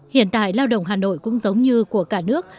hiện tại lao động hà nội cũng giống như của cả nước